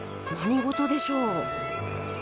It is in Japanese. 何事でしょう。